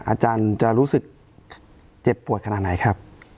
อาจารย์จะรู้สึกเจ็บปวดขนาดไหนครับ